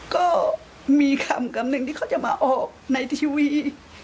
ก็มีคำกำหนึ่งที่เขาจะมาออกในทีวี